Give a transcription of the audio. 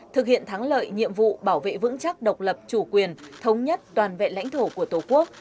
thực hiện thắng lợi nhiệm vụ bảo vệ vững chắc độc lập chủ quyền thống nhất toàn vẹn lãnh thổ của tổ quốc